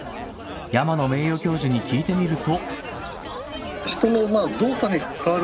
山野名誉教授に聞いてみると。